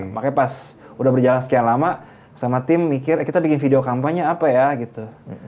makanya pas udah berjalan sekian lama sama tim mikir eh kita bikin video kampanye apa ya gitu